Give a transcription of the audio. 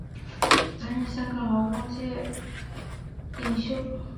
担任香港劳工界领袖。